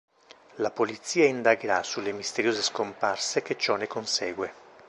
La polizia indagherà sulle misteriose scomparse che ciò ne consegue.